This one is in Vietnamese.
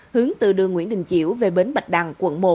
hướng từ đường nguyễn đình chiểu về bến thành